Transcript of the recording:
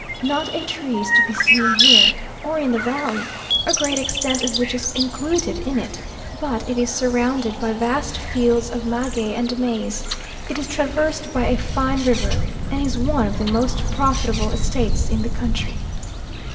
Not a tree is to be seen here, or in the valley, a great extent of which is included in it; but it is surrounded by vast fields of maguey and maize; it is traversed by a fine river, and is one of the most profitable estates in the country.